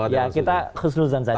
ya kita keseluruhan saja